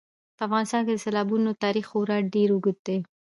په افغانستان کې د سیلابونو تاریخ خورا ډېر اوږد دی.